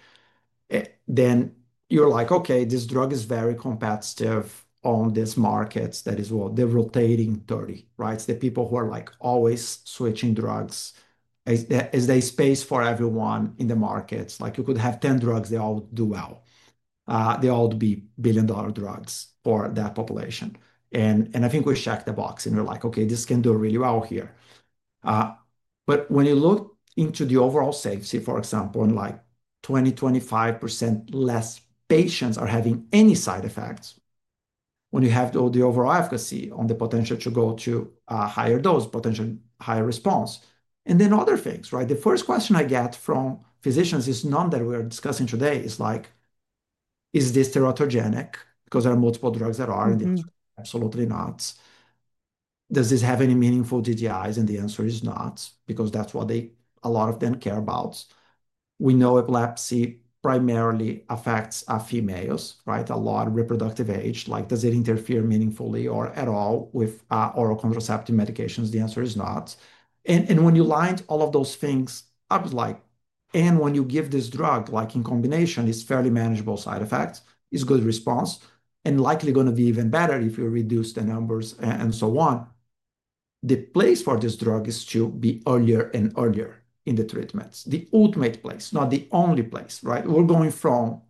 You're like, okay, this drug is very competitive on this market that is, well, the rotating 30, right? It's the people who are always switching drugs. Is there space for everyone in the market? You could have 10 drugs, they all do well. They all would be billion-dollar drugs for that population. I think we checked the box and we're like, okay, this can do really well here. When you look into the overall safety, for example, in like 20, 25% less patients are having any side effects when you have the overall efficacy on the potential to go to a higher dose, potential higher response. Other things, right? The first question I get from physicians is none that we're discussing today. It's like, is this teratogenic? There are multiple drugs that are, and absolutely not. Does this have any meaningful drug-drug interactions? The answer is not, because that's what a lot of them care about. We know epilepsy primarily affects females, right? A lot of reproductive age. Does it interfere meaningfully or at all with oral contraceptive medications? The answer is not. When you lined all of those things, I was like, and when you give this drug, like in combination, it's fairly manageable side effects, it's a good response, and likely going to be even better if you reduce the numbers and so on. The place for this drug is to be earlier and earlier in the treatments. The ultimate place, not the only place, right? We're going from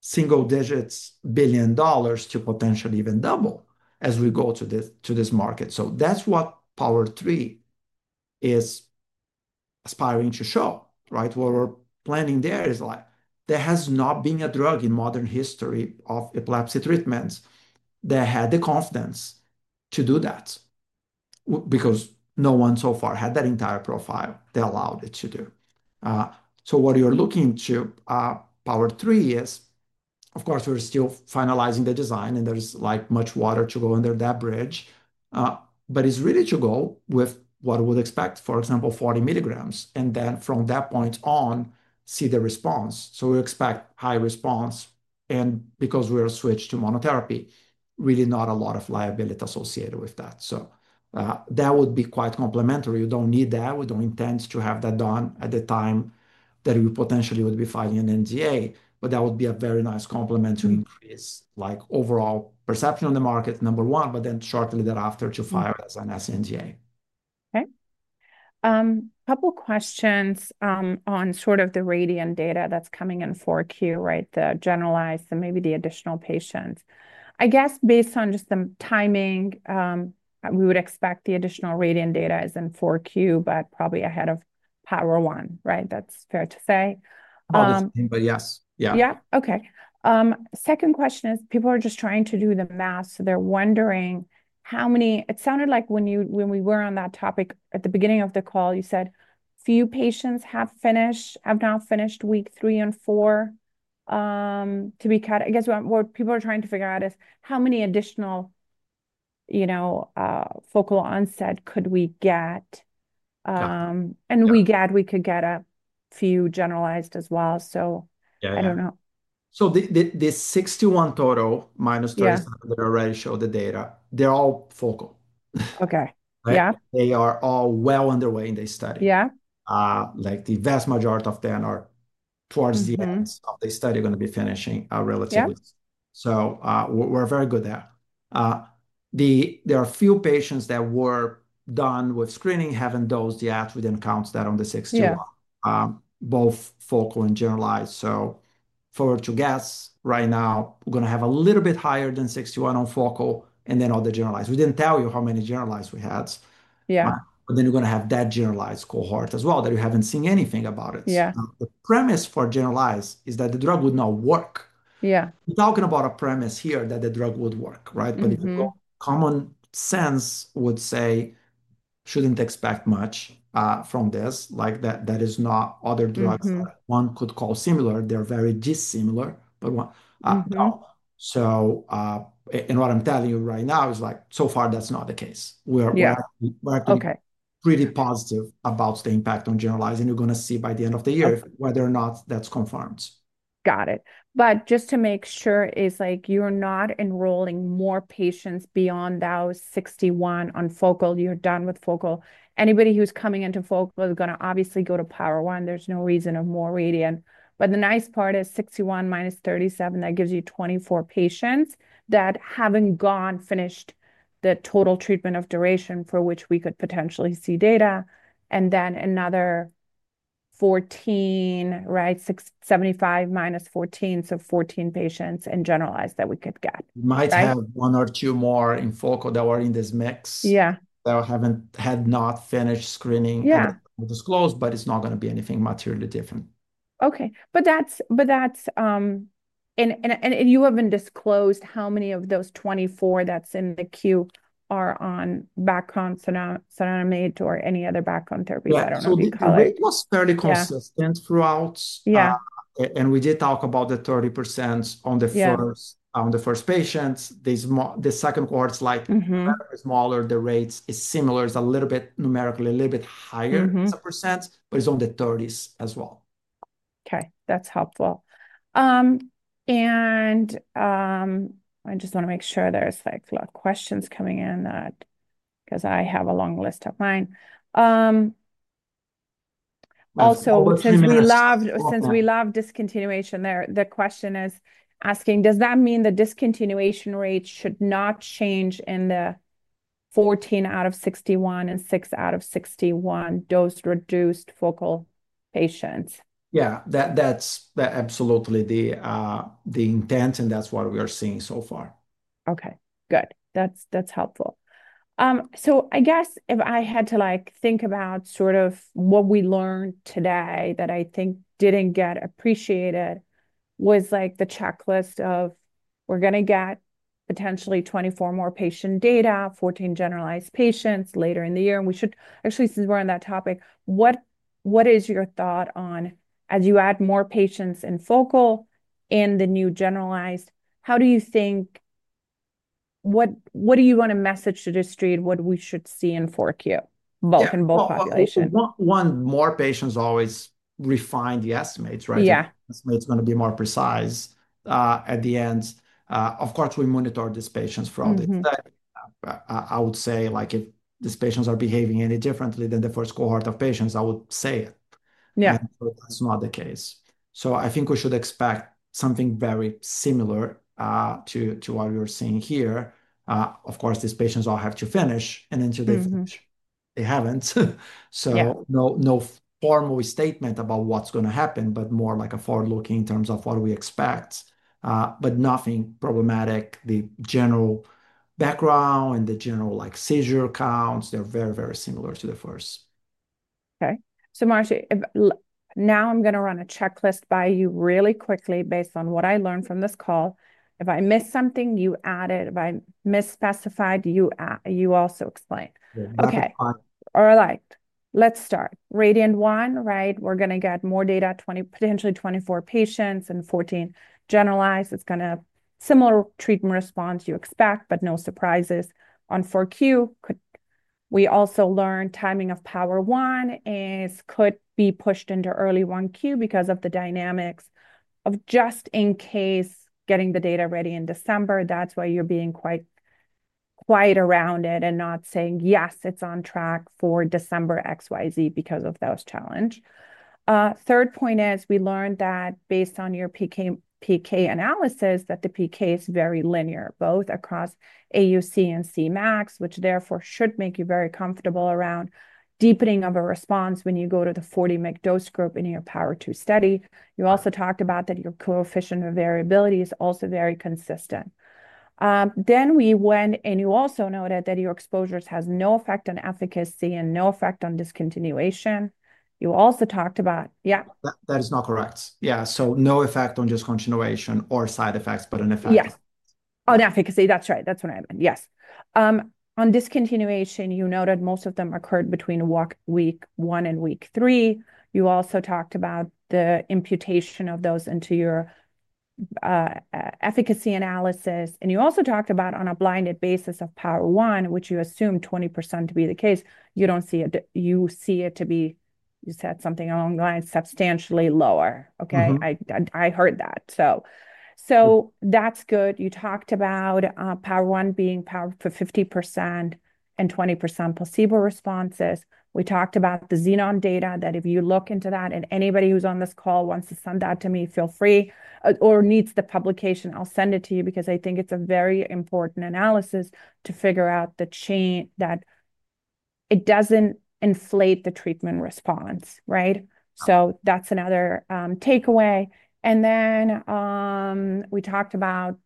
single digits billion dollars to potentially even double as we go to this market. That's what POWER3 is aspiring to show, right? What we're planning there is like there has not been a drug in modern history of epilepsy treatments that had the confidence to do that because no one so far had that entire profile that allowed it to do. What you're looking to POWER3 is, of course, we're still finalizing the design and there's much water to go under that bridge, but it's really to go with what we would expect, for example, 40 milligrams. From that point on, see the response. We expect high response. Because we are switched to monotherapy, really not a lot of liability associated with that. That would be quite complimentary. We don't need that. We don't intend to have that done at the time that we potentially would be filing an NDA, but that would be a very nice compliment to increase overall perception in the market, number one, but then shortly thereafter to file as an SNDA. Okay. A couple of questions on sort of the RADIANT data that's coming in 4Q, right? The generalized and maybe the additional patients. I guess based on just the timing, we would expect the additional RADIANT data is in 4Q, but probably ahead of POWER1, right? That's fair to say. I think yes, yeah. Okay. Second question is people are just trying to do the math. They're wondering how many, it sounded like when we were on that topic at the beginning of the call, you said few patients have now finished week three and four. To be cut, I guess what people are trying to figure out is how many additional, you know, focal onset could we get. We could get a few generalized as well. I don't know. The six to one total minus 25 that already showed the data, they're all focal. Okay. Yeah. They are all well underway in this study. Yeah. The vast majority of them are towards the end of the study, are going to be finishing relatively soon. We're very good there. There are a few patients that were done with screening, having those yet. We didn't count that on the 61, both focal and generalized. Forward to guess right now, we're going to have a little bit higher than 61 on focal and then all the generalized. We didn't tell you how many generalized we had. Yeah. You are going to have that generalized cohort as well that you haven't seen anything about. Yeah. The premise for generalized epilepsy is that the drug would not work. Yeah. We're talking about a premise here that the drug would work, right? Yeah. Common sense would say, shouldn't expect much from this, like that is not other drugs one could call similar. They're very dissimilar, but no, what I'm telling you right now is so far that's not the case. Yeah. We're actually pretty positive about the impact on generalized epilepsy. You're going to see by the end of the year whether or not that's confirmed. Got it. Just to make sure, it's like you're not enrolling more patients beyond those 61 on focal. You're done with focal. Anybody who's coming into focal is going to obviously go to POWER1. There's no reason for more RADIANT. The nice part is 61 minus 37, that gives you 24 patients that haven't finished the total treatment duration for which we could potentially see data. Then another 14, right? 75 minus 14. So 14 patients in generalized that we could get. Might have one or two more in focal that were in this mix. Yeah. That haven't finished screening. Yeah. Disclosed, but it's not going to be anything materially different. Okay, you haven't disclosed how many of those 24 that's in the queue are on background, Cenobamate, or any other background therapy that are being covered. Yeah, the rate was fairly consistent throughout. Yeah. We did talk about the 30% on the first patients. The second quarter is smaller. The rate is similar. It's a little bit numerically, a little bit higher as a percent, but it's in the 30s as well. Okay. That's helpful. I just want to make sure there's a lot of questions coming in, because I have a long list of mine. Also, since we love discontinuation there, the question is asking, does that mean the discontinuation rate should not change in the 14 out of 61 and 6 out of 61 dose-reduced focal patients? Yeah, that's absolutely the intent, and that's what we are seeing so far. Okay. Good. That's helpful. I guess if I had to like think about sort of what we learned today that I think didn't get appreciated was like the checklist of we're going to get potentially 24 more patient data, 14 generalized patients later in the year. We should actually, since we're on that topic, what is your thought on as you add more patients in focal in the new generalized? How do you think, what do you want to message to the street? What do we should see in 4Q, both in both populations? One more patient is always refine the estimates, right? Yeah. It's going to be more precise at the end. Of course, we monitor these patients from the exact, exact. If these patients are behaving any differently than the first cohort of patients, I would say it. Yeah. That is not the case. I think we should expect something very similar to what we're seeing here. Of course, these patients all have to finish, and until they finish, they haven't. No formal statement about what's going to happen, more like a forward-looking in terms of what do we expect. Nothing problematic. The general background and the general seizure counts, they're very, very similar to the first. Okay. Marcio, now I'm going to run a checklist by you really quickly based on what I learned from this call. If I missed something, you add it. If I misspecified, you also explain. Okay. All right. Let's start. RADIANT, right? We're going to get more data, potentially 24 patients and 14 generalized. It's going to be a similar treatment response you expect, but no surprises on 4Q. We also learned timing of POWER1 could be pushed into early 1Q because of the dynamics of just in case getting the data ready in December. That's why you're being quite quiet around it and not saying, yes, it's on track for December XYZ because of those challenges. Third point is we learned that based on your PK analysis, that the PK is very linear, both across AUC and Cmax, which therefore should make you very comfortable around deepening of a response when you go to the 40 mg dose group in your POWER2 study. You also talked about that your coefficient of variability is also very consistent. You also noted that your exposures have no effect on efficacy and no effect on discontinuation. You also talked about, yeah. That is not correct. Yeah, no effect on discontinuation or side effects, but an effect. Yeah. On efficacy, that's right. That's what I meant. Yes. On discontinuation, you noted most of them occurred between week one and week three. You also talked about the imputation of those into your efficacy analysis. You also talked about on a blinded basis of POWER1, which you assume 20% to be the case, you don't see it. You see it to be, you said something along the lines, substantially lower. I heard that. That's good. You talked about POWER1 being powered for 50% and 20% placebo responses. We talked about the Xenon data that if you look into that, and anybody who's on this call wants to send that to me, feel free, or needs the publication, I'll send it to you because I think it's a very important analysis to figure out the chain that it doesn't inflate the treatment response, right? That's another takeaway. We talked about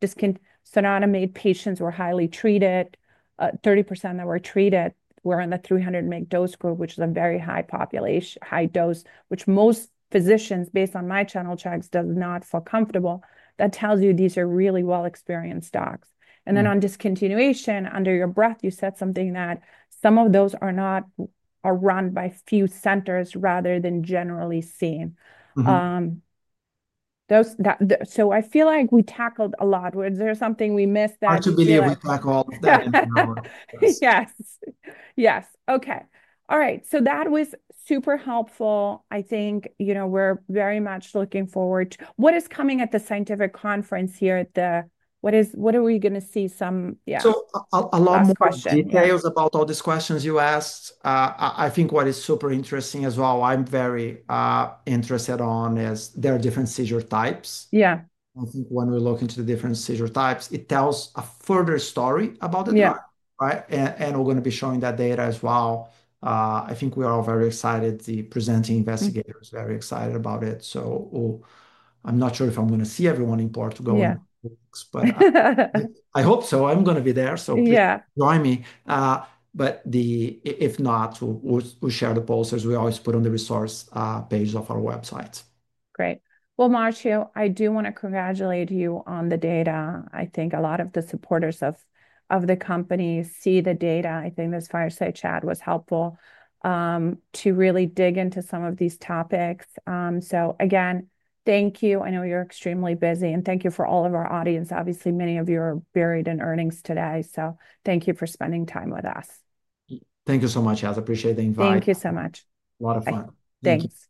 Cenobamate patients were highly treated. 30% that were treated were in the 300 mg dose group, which is a very high dose, which most physicians, based on my channel checks, do not feel comfortable. That tells you these are really well-experienced docs. On discontinuation, under your breath, you said something that some of those are not run by few centers rather than generally seen. I feel like we tackled a lot. Was there something we missed? I do believe we tackled all of that in our work. Yes. Okay. All right. That was super helpful. I think we're very much looking forward to what is coming at the scientific conference here. What are we going to see? are a lot more details about all these questions you asked. I think what is super interesting as well, I'm very interested on is there are different seizure types. Yeah. I think when we look into the different seizure types, it tells a further story about the drug, right? We're going to be showing that data as well. I think we are all very excited. The presenting investigator is very excited about it. I'm not sure if I'm going to see everyone in Portugal next week. I hope so. I'm going to be there, so please join me. If not, we'll share the posters we always put on the resource page of our websites. Great. Marcio, I do want to congratulate you on the data. I think a lot of the supporters of the company see the data. I think this fireside chat was helpful to really dig into some of these topics. Again, thank you. I know you're extremely busy, and thank you for all of our audience. Obviously, many of you are buried in earnings today. Thank you for spending time with us. Thank you so much, Yaz. I appreciate the invite. Thank you so much. A lot of fun. Thanks.